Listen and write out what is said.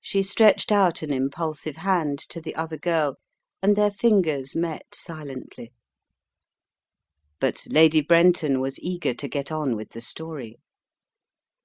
She stretched out an impulsive hand to the other girl and their fingers met silently. « A Tale Unfolded" 305 But Lady Brenton was eager to get on with the story.